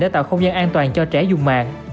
để tạo không gian an toàn cho trẻ dùng mạng